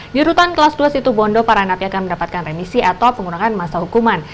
di rutan kelas dua situ bondo para napi akan mendapatkan remisi atau pengurangan masa hukuman